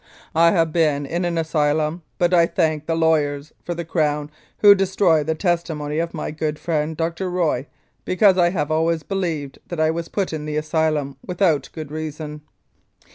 I have been in an asylum, but I thank the lawyers for the Crown, who destroyed the testimony of my good friend Dr. Roy, because I have always believed that I was put in the asylum without reason.